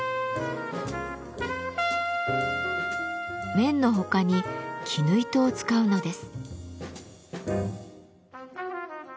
綿の他に絹糸を使うのです。